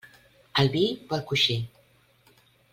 El vi vol coixí.